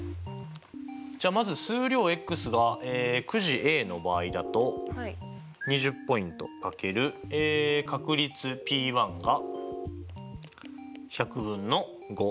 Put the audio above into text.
じゃあまず数量ｘがくじＡの場合だと２０ポイント掛ける確率ｐが１００分の５。